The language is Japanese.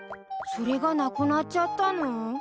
それがなくなっちゃったの？